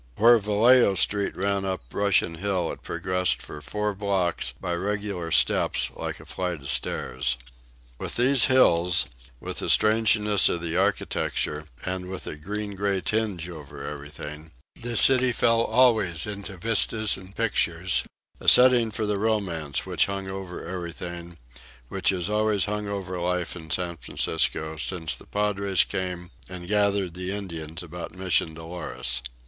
Where Vallejo Street ran up Russian Hill it progressed for four blocks by regular steps like a flight of stairs. With these hills, with the strangeness of the architecture, and with the green gray tinge over everything, the city fell always into vistas and pictures, a setting for the romance which hung over everything, which has always hung over life in San Francisco since the padres came and gathered the Indians about Mission Dolores.